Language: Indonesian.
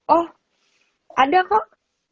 oh ada kok